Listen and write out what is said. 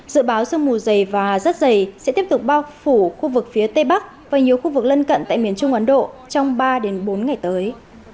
dự báo sương mù dày và rắt dày sẽ tiếp tục bao phủ khu vực phía tây bắc và nhiều khu vực lân cận tại miền trung ấn độ trong ba bốn ngày tới